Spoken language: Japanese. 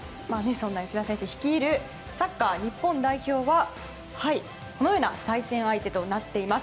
そんな吉田選手率いるサッカー日本代表はこのような対戦相手となっています。